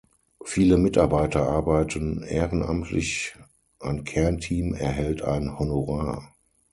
Viele Mitarbeiter arbeiten ehrenamtlich, ein Kernteam erhält ein Honorar.